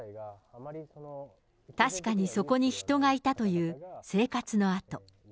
確かにそこに人がいたという、生活の跡。